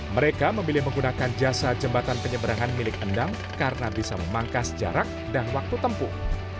mereka memilih menggunakan jasa jembatan penyeberangan milik endang karena bisa memangkas jarak dan waktu tempuh